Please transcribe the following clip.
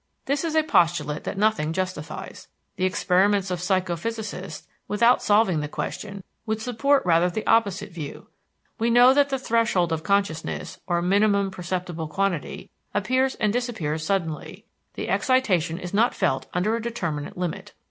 This is a postulate that nothing justifies. The experiments of psychophysicists, without solving the question, would support rather the opposite view. We know that the "threshold of consciousness" or minimum perceptible quantity, appears and disappears suddenly; the excitation is not felt under a determinate limit.